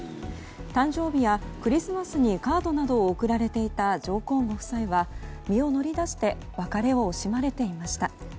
誕生日やクリスマスにカードなどを贈られていた上皇ご夫妻は身を乗り出して別れを惜しまれていました。